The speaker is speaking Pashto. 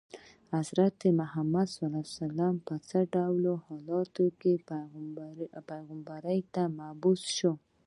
حضرت محمد په څه ډول حالاتو کې پیغمبرۍ ته مبعوث شو.